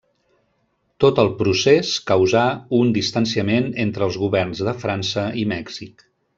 Tot el procés causà un distanciament entre els governs de França i Mèxic.